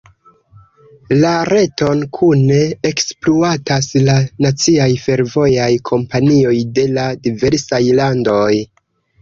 La reton kune ekspluatas la naciaj fervojaj kompanioj de la diversaj landoj.